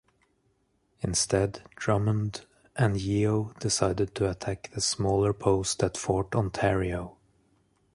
Instead, Drummond and Yeo decided to attack the smaller post at Fort Ontario.